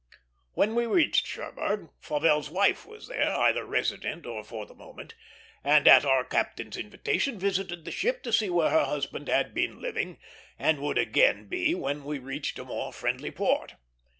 When we reached Cherbourg, Fauvel's wife was there, either resident or for the moment, and at our captain's invitation visited the ship to see where her husband had been living, and would again be when we reached a more friendly port.